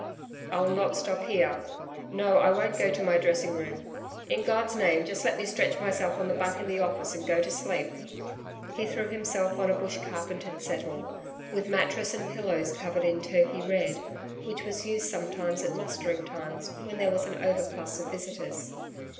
'I'll not stop here.... No, I won't go to my dressing room. In God's name, just let me stretch myself on the bunk in the Office and go to sleep.' He threw himself on a bush carpentered settle, with mattress and pillows covered in Turkey red, which was used sometimes at mustering times when there was an overplus of visitors.